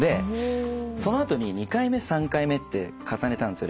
その後に２回目３回目って重ねたんすよ